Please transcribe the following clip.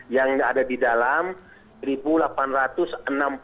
yang ada di dalam satu delapan ratus enam puluh